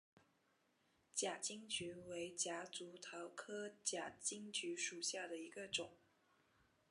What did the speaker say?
假金桔为夹竹桃科假金桔属下的一个种。